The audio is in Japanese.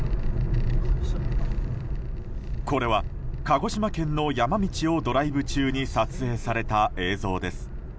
これは鹿児島県の山道をドライブ中に撮影された映像です。